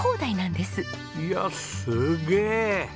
いやすげえ！